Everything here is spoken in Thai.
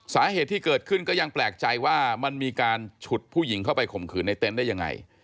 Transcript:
สาเหตุที่เกิดขึ้นก็ยังแปลกใจว่ามันมีการฉุดผู้หญิงเข้าไปข่มขืนในเต็นต์ได้ยังไง